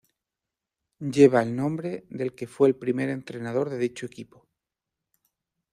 Lleva el nombre del que fue el primer entrenador de dicho equipo.